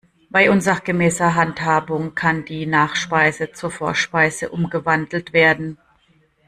Bei unsachgemäßer Handhabung kann die Nachspeise zur Vorspeise umgewandelt werden.